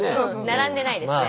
並んでないですね。